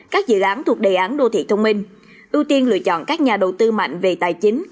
các dự án thuộc đề án đô thị thông minh ưu tiên lựa chọn các nhà đầu tư mạnh về tài chính